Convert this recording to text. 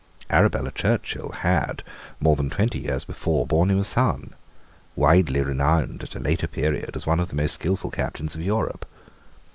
Arabella Churchill had, more than twenty years before, borne him a son, widely renowned, at a later period, as one of the most skilful captains of Europe.